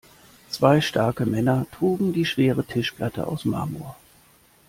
Zwei starke Männer trugen die schwere Tischplatte aus Marmor.